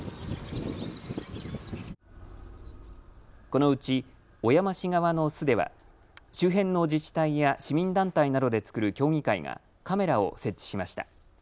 このうち小山市側の巣では周辺の自治体や市民団体などで作る協議会がカメラを設置しました。